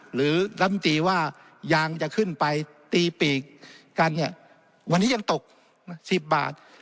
หรือลำตีว่ายางจะขึ้นไปตีปีกกันเนี่ยวันนี้ยังตก๑๐บาท